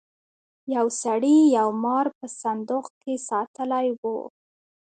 یو سړي یو مار په صندوق کې ساتلی و.